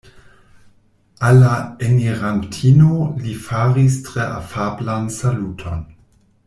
Al la enirantino li faris tre afablan saluton.